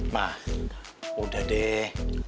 ma udah deh